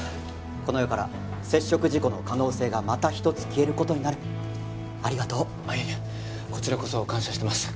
この世から接触事故の可能性がまた一つ消えることになるありがとういえいえこちらこそ感謝してます